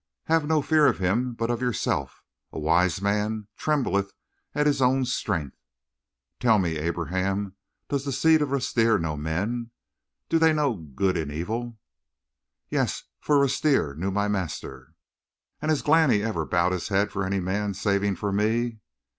"Have no fear of him but of yourself. A wise man trembleth at his own strength." "Tell me, Abraham does the seed of Rustir know men? Do they know good and evil?" "Yes, for Rustir knew my master." "And has Glani ever bowed his head for any man saving for me?"